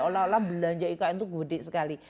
seolah olah belanja ikn itu gede sekali